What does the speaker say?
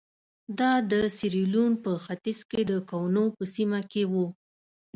دا د سیریلیون په ختیځ کې د کونو په سیمه کې وو.